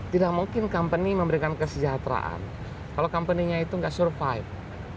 tidak mungkin company memberikan kesejahteraan kalau company nya itu nggak survive